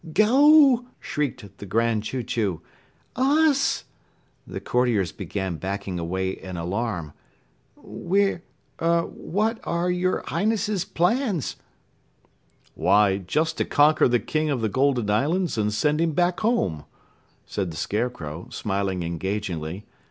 "Go!" shrieked the Grand Chew Chew. "Us?" The Courtiers began backing away in alarm. "Where er what are your Highness' plans?" "Why, just to conquer the King of the Golden Islands and send him back home," said the Scarecrow, smiling engagingly.